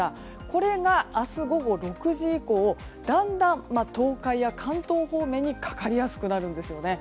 これが明日午後６時以降だんだん、東海や関東方面にかかりやすくなるんですね。